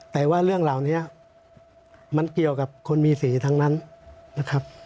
แต่ว่าเรื่องเหล่านี้มันเกี่ยวกับคนมีสีทั้งนั้นนะครับ